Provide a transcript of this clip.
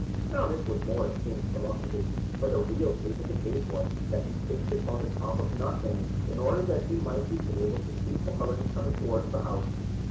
Now, this was more of Fin's philosophy; for the real state of the case was, that he pitched upon the top of Knockmany in order that he might be able to see Cucullin coming towards the house.